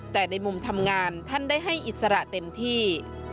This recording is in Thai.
แต่ในมุมทำงานท่านได้ให้อิสระเต็มที่